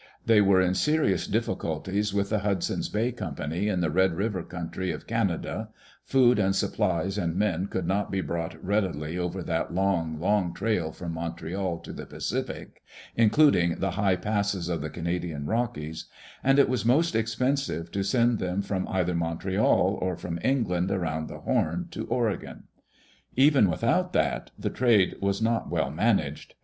They were in serious difficulties with the Hud son's Bay Company in the Red River country of Canada; food and supplies and men could not be brought readily over that long, long trail from Montreal to the Pacific, including the high passes of the Canadian Rockies, and it was most expensive to send them from either Montreal or from England around the Horn to Oregon, Even without that, the trade was not well managed.